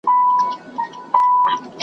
په تعویذ کي یو عجب خط وو لیکلی .